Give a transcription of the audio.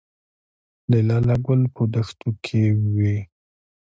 د لاله ګل په دښتو کې وي